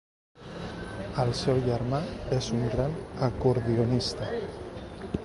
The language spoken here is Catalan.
El seu germà és un gran acordionista.